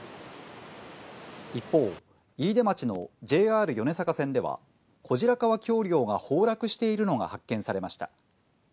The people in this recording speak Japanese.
一方、飯豊町のＪＲ米坂線では小白川橋梁が崩落しているのが発見されました。